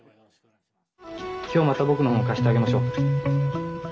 今日また僕の本貸してあげましょう。